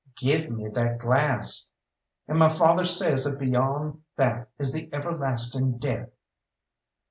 "Give me that glass!" "And my father says that beyond that is the Everlastin' Death."